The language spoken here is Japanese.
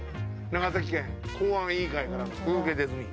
長崎県公安委員会からの届出済。